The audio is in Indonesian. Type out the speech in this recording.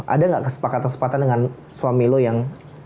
ada gak kesepakatan kesepakatan dengan suami lo yang